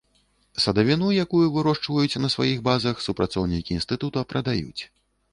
Садавіну, якую вырошчваюць на сваіх базах, супрацоўнікі інстытута прадаюць.